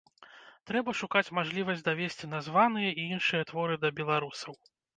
Трэба шукаць мажлівасць давесці названыя і іншыя творы да беларусаў.